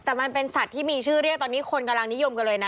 แต่มันเป็นสัตว์ที่มีชื่อเรียกตอนนี้คนกำลังนิยมกันเลยนะ